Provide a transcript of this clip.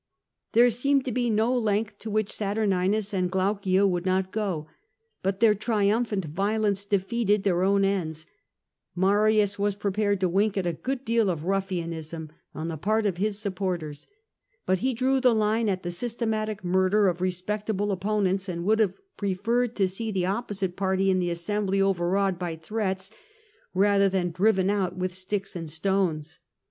There seemed to be no length to which Saturninus and Glaucia would not go. But their triumphant violence defeated their own ends : Marius was prepared to wink at a good deal of ruffianism on the part of his supporters, but he drew the line at the systematic murder of respect able opponents, and would have preferred to see the opposite party in the assembly overawed by threats rather than driven out with sticks and stones.